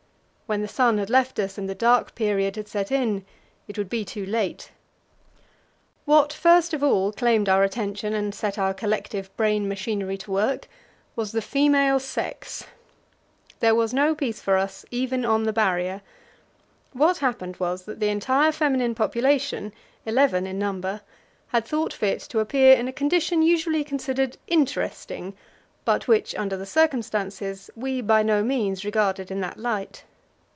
When the sun had left us, and the dark period had set in, it would be too late. What first of all claimed our attention and set our collective brain machinery to work was the female sex. There was no peace for us even on the Barrier. What happened was that the entire feminine population eleven in number had thought fit to appear in a condition usually considered "interesting," but which, under the circumstances, we by no means regarded in that light.